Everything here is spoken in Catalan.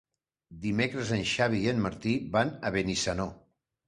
Dimecres en Xavi i en Martí van a Benissanó.